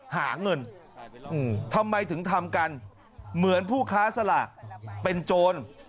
หาเงินทำไมถึงทำกันเหมือนผู้ค้าสลากเป็นโจร